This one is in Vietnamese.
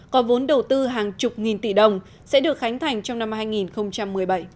có vốn đầu tư hàng chục nghìn tỷ đồng sẽ được khánh thành trong năm hai nghìn một mươi bảy